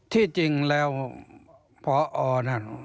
ที่จริงแล้วพอนั่น